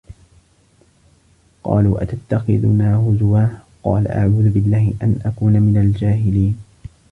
قَالُوا أَتَتَّخِذُنَا هُزُوًا ۖ قَالَ أَعُوذُ بِاللَّهِ أَنْ أَكُونَ مِنَ الْجَاهِلِينَ